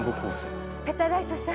ペタライトさん